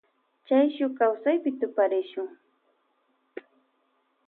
Chay shuk kawsaypi tuparishun.